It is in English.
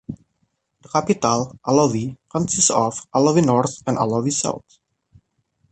The capital, Alofi, consists of "Alofi North" and "Alofi South".